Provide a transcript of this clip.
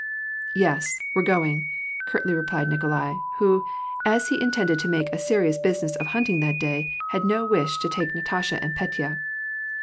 " Yes, we're going," curtly replied Nikolai, who, as he in tended to make a serious business of hunting that day, had no wish to take Natasha and Petya.